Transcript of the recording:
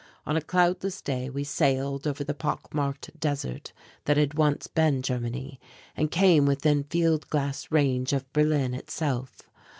On a cloudless day we sailed over the pock marked desert that had once been Germany and came within field glass range of Berlin itself.